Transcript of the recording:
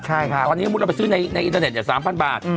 ตอนนี้บางทีเราไปซื้อในอินเทอร์เน็ตอย่าง๓๐๐๐บาท